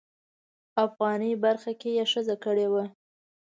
افغاني برخه کې یې ښځه کړې وه.